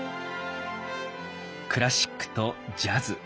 クラシックとジャズ。